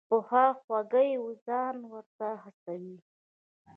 په خواخوږۍ ځان ورته هڅوي.